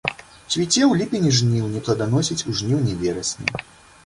Цвіце ў ліпені-жніўні, пладаносіць у жніўні-верасні.